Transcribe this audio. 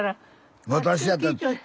私やった。